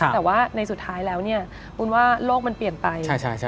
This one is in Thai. แต่ว่าในสุดท้ายแล้ววุ้นว่าโลกมันเปลี่ยนไป